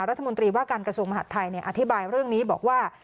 รัฐมนตรีว่าการกระทรวงมหาดไทยอธิบายเรื่องนี้บอกว่า